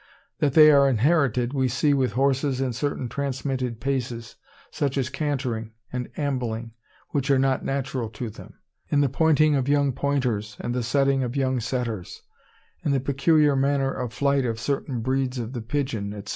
That they are inherited we see with horses in certain transmitted paces, such as cantering and ambling, which are not natural to them,—in the pointing of young pointers and the setting of young setters—in the peculiar manner of flight of certain breeds of the pigeon, &c.